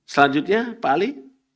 selanjutnya pak ali